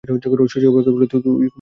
শশী অবাক হইয়া বলিল, তুই কুমুদ?